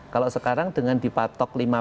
kalau sekarang dengan dipatok